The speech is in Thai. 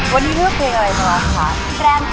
วันนี้รูปเพลงอะไรครับว่าคะแรมที่สว่านครับ